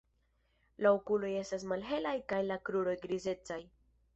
La okuloj estas malhelaj kaj la kruroj grizecaj.